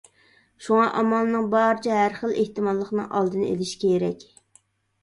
شۇڭا ئامالنىڭ بارىچە ھەر خىل ئېھتىماللىقنىڭ ئالدىنى ئېلىش كېرەك.